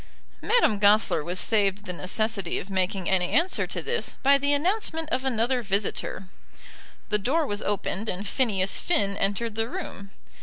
Madame Goesler was saved the necessity of making any answer to this by the announcement of another visitor. The door was opened, and Phineas Finn entered the room.